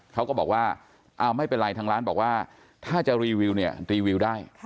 เขาก็บอกว่าไม่เป็นไรทางร้านบอกว่าถ้าจะรีวิวเนี่ยรีวิวได้